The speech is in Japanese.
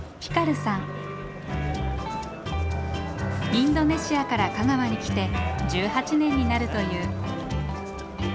インドネシアから香川に来て１８年になるという。